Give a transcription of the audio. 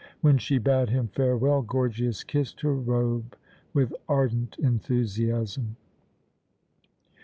When she bade him farewell, Gorgias kissed her robe with ardent enthusiasm.